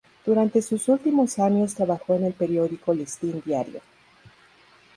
Durante sus últimos años trabajó en el periódico Listín Diario.